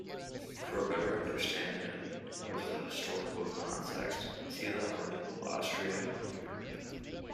For a better understanding of the historical context, see the article Austria-Hungary.